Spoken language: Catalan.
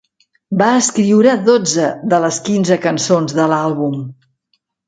Va escriure dotze de les quinze cançons de l'àlbum.